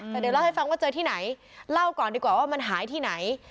แต่เดี๋ยวเล่าให้ฟังว่าเจอที่ไหนเล่าก่อนดีกว่าว่ามันหายที่ไหน